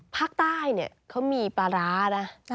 ภาคใต้เนี่ยเขามีปลาร้านะ